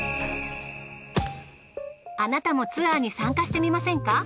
あなたもツアーに参加してみませんか？